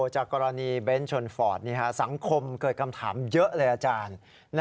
จากกรณีเบนท์ชนฟอร์ดสังคมเกิดคำถามเยอะเลยอาจารย์